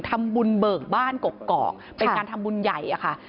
ทำบุญเบิกบ้านกกอกเป็นการทำบุญใหญ่อะค่ะ